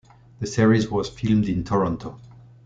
The series was filmed in Toronto.